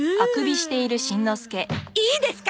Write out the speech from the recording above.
いいですか？